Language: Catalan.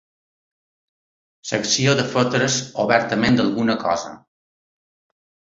L'acció de fotre's obertament d'alguna cosa.